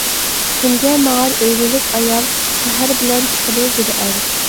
تۈنگە ماڭار ئۆرۈلۈپ ئايال، سەھەر بىلەن چىقىدۇ بىر ئەر.